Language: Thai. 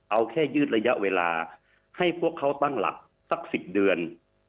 เอาแค่ยืดระยะเวลาให้พวกเขาตั้งหลักสัก๑๐เดือน